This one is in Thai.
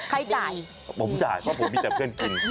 จ่ายผมจ่ายเพราะผมมีแต่เพื่อนกิน